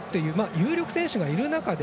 有力選手がいるなかで。